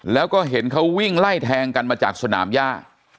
แล้วก็เห็นเขาวิ่งไล่แทงกันมาจากสนามย่า